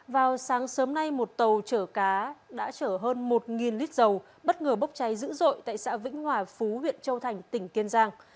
vào sáng sớm nay một tàu chở cá đã chở hơn một lít dầu bất ngờ bốc cháy dữ dội tại xã vĩnh hòa phú huyện châu thành tỉnh kiên giang